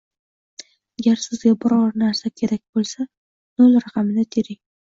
Agar sizga biror narsa kerak bo'lsa, nol raqamini tering.